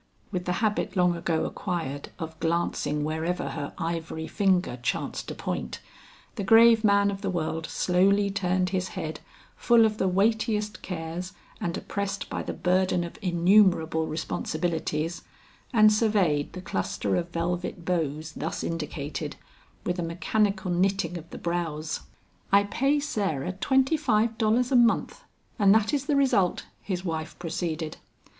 With the habit long ago acquired of glancing wherever her ivory finger chanced to point, the grave man of the world slowly turned his head full of the weightiest cares and oppressed by the burden of innumerable responsibilities, and surveyed the cluster of velvet bows thus indicated, with a mechanical knitting of the brows. "I pay Sarah twenty five dollars a month and that is the result," his wife proceeded.